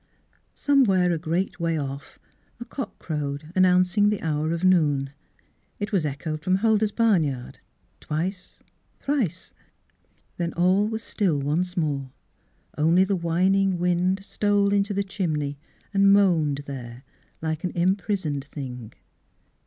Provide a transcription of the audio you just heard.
Somewhere a great way off a cock crowed, announcing the hour of noon. It was echoed from Huldah's barnyard, twice, thrice. Then all was still once more, only the whining wind stole into the chimney and moaned there, like an impris oned thing.